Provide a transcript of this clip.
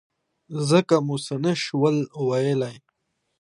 ځکه مو څه نه شول ویلای.